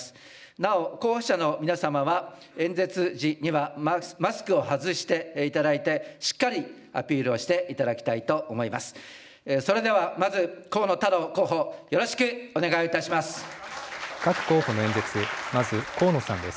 なお候補者の皆様は、演説時にはマスクを外していただいて、しっかりアピールをしていただきたいと思います。